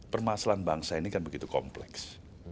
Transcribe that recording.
permasalahan bangsa ini kan begitu kompleks